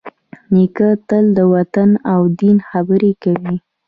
نیکه تل د وطن او دین خبرې کوي.